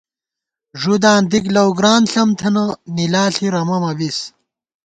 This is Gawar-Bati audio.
ݫُداں دِک لؤ گران ݪم تھنہ نِلا ݪی رَمہ مہ بِس